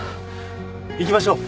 行きましょう。